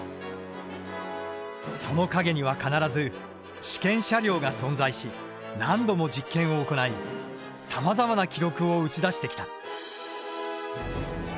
その陰には必ず試験車両が存在し何度も実験を行いさまざまな記録を打ち出してきた。